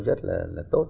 rất là tốt